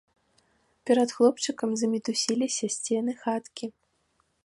Перад хлопчыкам замітусіліся сцены хаткі.